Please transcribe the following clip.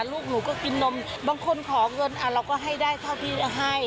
ลูกหนูก็กินนมบางคนขอเงินเราก็ให้ได้เท่าที่ให้